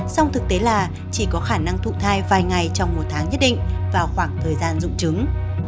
song thực tế là chỉ có khả năng thụ thai vài ngày trong một tháng nhất định vào khoảng thời gian dụng trứng